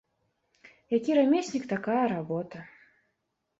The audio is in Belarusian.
Які рамеснік ‒ такая работа